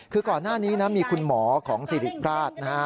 คือก่อนหน้านี้มีคุณหมอของสิริปราศ